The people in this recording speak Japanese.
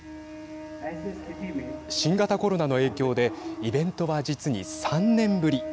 新型コロナの影響でイベントは実に３年ぶり。